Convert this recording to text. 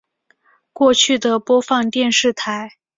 过去的播放电视台